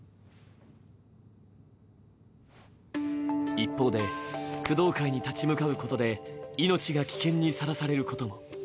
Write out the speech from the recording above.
一方で、工藤会に立ち向かうことで命が危険にさらされることも。